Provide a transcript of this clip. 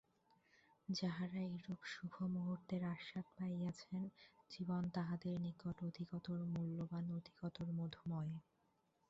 যাঁহারা এরূপ শুভমুহূর্তের আস্বাদ পাইয়াছেন, জীবন তাঁহাদের নিকট অধিকতর মূল্যবান্, অধিকতর মধুময়।